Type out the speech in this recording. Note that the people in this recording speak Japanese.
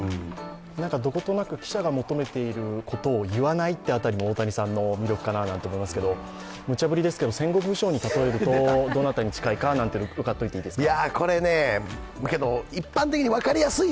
どことなく記者が求めてるところを言わないって辺りも大谷さんの魅力かなって思いますけど、むちゃぶりですけど、戦国武将に例えるとどなたに近いか伺っといていいですか？